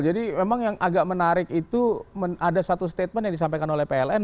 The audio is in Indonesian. jadi memang yang agak menarik itu ada satu statement yang disampaikan oleh pln